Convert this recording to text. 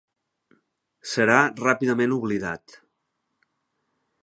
Serà ràpidament oblidat.